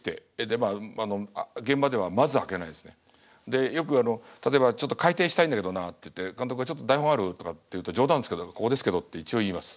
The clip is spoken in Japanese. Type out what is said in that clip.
でよくあの例えば「ちょっと改訂したいんだけどな」って言って監督が「ちょっと台本ある？」とかって言うと冗談ですけど「ここですけど」って一応言います。